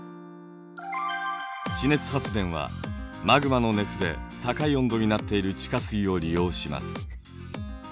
地熱発電はマグマの熱で高い温度になっている地下水を利用します。